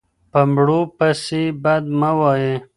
په مړو پسې بد مه وایئ.